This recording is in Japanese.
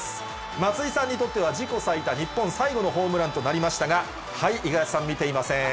松井さんにとっては、自己最多、日本最後のホームランとなりましたが、はい、五十嵐さん、見ていません。